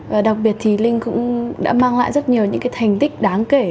và đặc biệt thì linh cũng đã mang lại rất nhiều những cái thành tích đáng kể